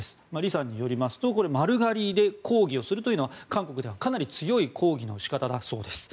李さんによりますと丸刈りで抗議をするというのは韓国ではかなり強い抗議の仕方だそうです。